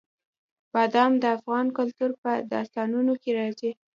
بادام د افغان کلتور په داستانونو کې راځي.